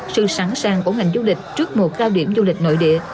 sự sẵn sàng của ngành du lịch trước mùa cao điểm du lịch nội địa